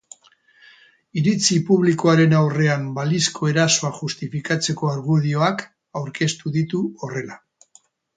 Iritzi publikoaren aurrean balizko erasoa justifikatzeko argudioak aurkeztu ditu horrela.